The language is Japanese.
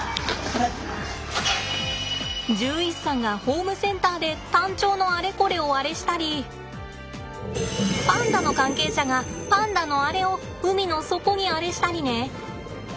獣医師さんがホームセンターでタンチョウのあれこれをあれしたりパンダの関係者がパンダのアレを海の底にあれしたりね。